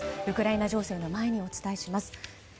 ウクライナ情勢の前にお伝えします。